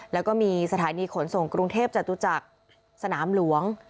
แล้วก็มีสถานีขนส่งกรุงเทพจตุจักรสนามหลวง